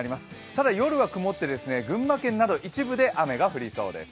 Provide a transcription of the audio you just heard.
ただ夜は曇って群馬県など一部で雨が降りそうです。